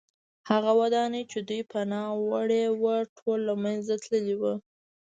هغه ودانۍ چې دوی پناه وړې وه ټوله له منځه تللې وه